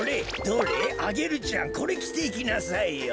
どれアゲルちゃんこれきていきなさいよ。